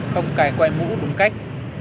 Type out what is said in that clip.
không cài quay mũ đúng cách